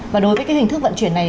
và đối với cái hình thức vận chuyển này